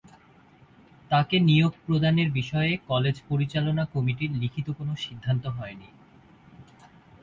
তাঁকে নিয়োগ প্রদানের বিষয়ে কলেজ পরিচালনা কমিটির লিখিত কোনো সিদ্ধান্ত হয়নি।